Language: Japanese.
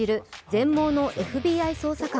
全盲のＦＢＩ捜査官